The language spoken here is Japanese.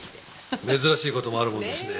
珍しいこともあるもんですね。